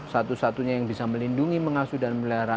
satu satunya yang bisa melindungi mengasuh dan melihara